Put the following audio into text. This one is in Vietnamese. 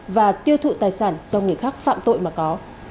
và tiêu thụ tài sản do người khác phạm tội mà có